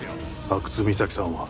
阿久津実咲さんは？